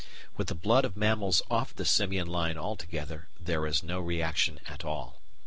With the blood of mammals off the simian line altogether there is no reaction at all.